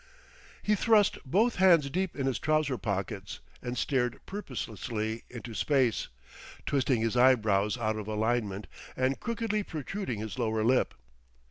He thrust both hands deep in his trouser pockets and stared purposelessly into space, twisting his eyebrows out of alignment and crookedly protruding his lower lip.